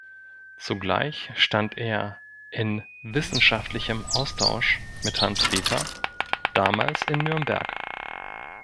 Zugleich stand er in wissenschaftlichem Austausch mit Hans Peter, damals in Nürnberg.